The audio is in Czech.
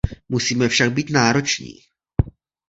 Musíme však být nároční.